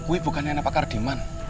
wih bukannya pakar diman